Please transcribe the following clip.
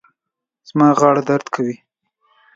زما غاړه درد کوي